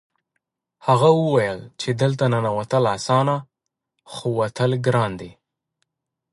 هغه وویل چې دلته ننوتل اسانه خو وتل ګران دي